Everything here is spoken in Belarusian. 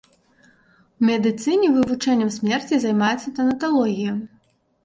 У медыцыне вывучэннем смерці займаецца танаталогія.